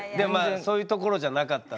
そういうところじゃなかったんですね。